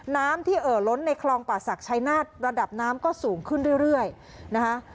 น้ำที่เอ่อล้นในคลองป่าศักดิ์ชัยนาฏระดับน้ำก็สูงขึ้นเรื่อยนะคะ